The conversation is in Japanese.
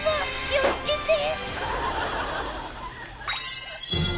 気を付けて。